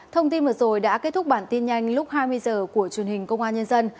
thông tin vừa rồi đã kết thúc bản tin nhanh lúc hai mươi h của truyền hình công an nhân dân